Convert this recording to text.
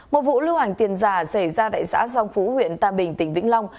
một vụ lưu hành tiền giả xảy ra tại xã long phú huyện tam bình tỉnh vĩnh long